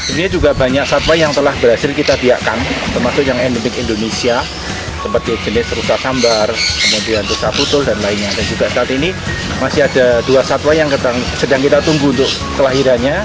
sebenarnya juga banyak satwa yang telah berhasil kita biarkan